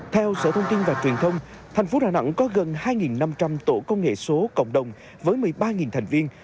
theo sở thông tin và truyền thông thành phố đà nẵng có gần hai năm trăm linh tổ công nghệ số cộng đồng với một mươi ba thành viên